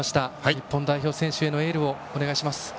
日本代表選手へのエールお願いします。